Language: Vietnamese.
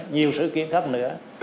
nhiều sự kiện khác nữa